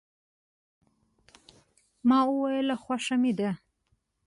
ما وویل، خوښه مې ده.